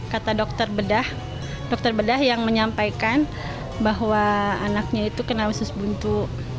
kata dokter bedah yang menyampaikan bahwa anaknya itu kena usus buntu